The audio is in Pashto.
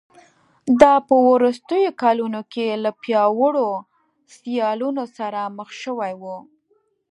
دا په وروستیو کلونو کې له پیاوړو سیالانو سره مخ شوی و